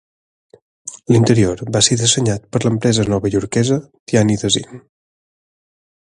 L'interior va ser dissenyat per l'empresa novaiorquesa Tihany Design.